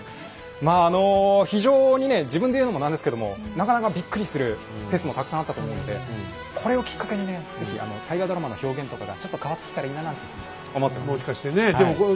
まああの非常にね自分で言うのもなんですけどもなかなかびっくりする説もたくさんあったと思うのでこれをきっかけにね是非大河ドラマの表現とかがちょっと変わってきたらいいななんて思ってます。